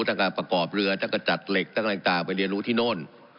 ทั้งการประกอบเรือทั้งกระจัดเหล็กทั้งต่างไปเรียนรู้ที่โน่น